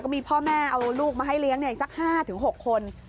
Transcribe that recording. มีพ่อแม่เอาลูกมาให้เลี้ยงอีกสัก๕๖คน